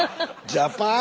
ジャパン！